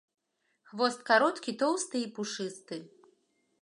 Хвост кароткі, тоўсты і пушысты.